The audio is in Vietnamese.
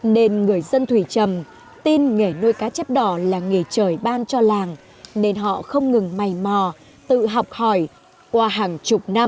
nên người dân thủy trầm tin nghề nuôi cá chép đỏ là nghề trời ban cho làng nên họ không ngừng mày mò tự học hỏi qua hàng chục năm tự nhân rống nuôi thả đúc rút kinh nghiệm